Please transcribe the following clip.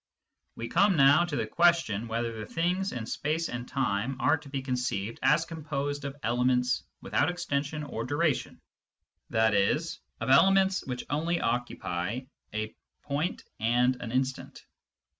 We come now to the question whether the things in space and time are to be conceived as composed of elements without extension or duration, i.e. of elements which only occupy a point and an instant.